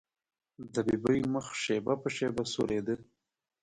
د ببۍ مخ شېبه په شېبه سورېده.